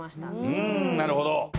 うーんなるほど。